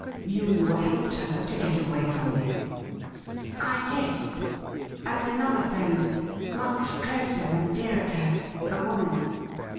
' You helped her to get away from me ?'' I did ; and another friend, much closer and dearer to her — a woman.'